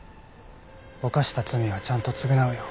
犯した罪はちゃんと償うよ。